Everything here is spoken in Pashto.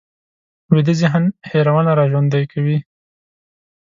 ویده ذهن هېرونه راژوندي کوي